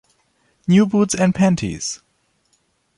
New Boots and Panties!!